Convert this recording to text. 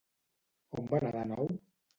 On va anar de nou?